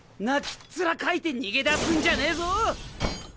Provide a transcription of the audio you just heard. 泣きっ面かいて逃げ出すんじゃねえぞ！